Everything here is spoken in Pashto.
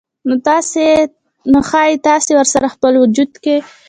نو ښايي تاسې ورسره خپل وجود کې